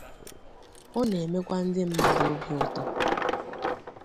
Ọ na-emekwa ndị mmadụ obi ụtọ.